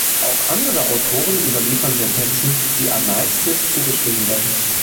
Auch andere Autoren überliefern Sentenzen, die Anacharsis zugeschrieben werden.